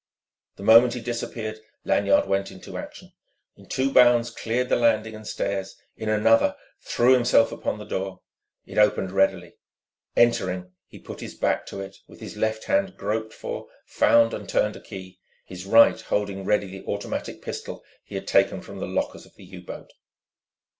The moment he disappeared, Lanyard went into action, in two bounds cleared landing and stairs, in another threw himself upon the door. It opened readily. Entering, he put his back to it, with his left hand groped for, found and turned a key, his right holding ready the automatic pistol he had taken from the lockers of the U boat.